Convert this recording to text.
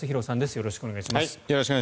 よろしくお願いします。